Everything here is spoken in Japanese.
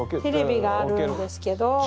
テレビがあるんですけど。